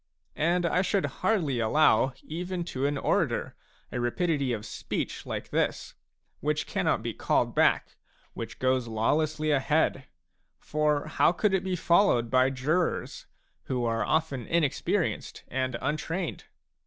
And I should hardly allow even to an orator a rapidity of speech like this, which cannot be called back, which goes lawlessly ahead ; for how could it be followed by jurors, who are often inexperienced and untrained